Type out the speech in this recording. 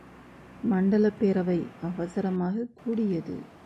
மண்டலப் பேரவை அவசரமாகக் கூடியது.